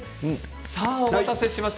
お待たせしました。